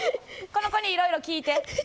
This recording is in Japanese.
この子にいろいろ聞いて。